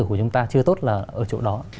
của chúng ta chưa tốt là ở chỗ đó